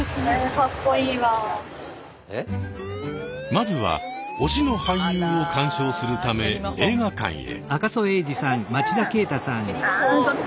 まずは推しの俳優を鑑賞するため映画館へ。